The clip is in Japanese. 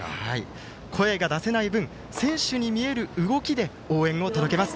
声が出せない分、選手に見える動きで応援を届けます。